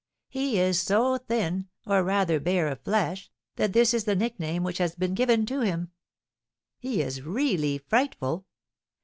"He is so thin, or rather bare of flesh, that this is the nickname which has been given to him; he is really frightful.